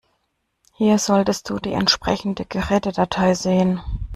Hier solltest du die entsprechende Gerätedatei sehen.